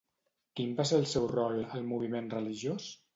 Quin va ser el seu rol al moviment religiós?